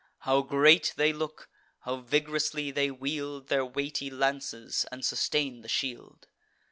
How great they look! how vig'rously they wield Their weighty lances, and sustain the shield!